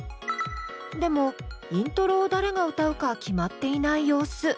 でもイントロを誰が歌うか決まっていない様子。